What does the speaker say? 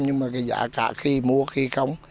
nhưng mà cái giá cả khi mua khi không